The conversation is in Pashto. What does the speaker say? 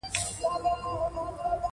د اروپا بې لیکنې نقشه رسم یا کاپې کړئ.